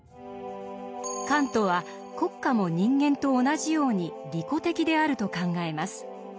カントは国家も人間と同じように利己的であると考えます。